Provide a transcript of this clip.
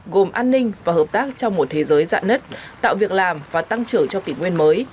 gồm an ninh và hợp tác trong một thế giới dạ nứt tạo việc làm và tăng trưởng cho kỷ nguyên mới